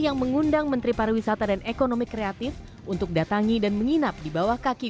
yang mengundang menteri pariwisata dan ekonomi kreatif untuk datangi dan menginap di bawah kaki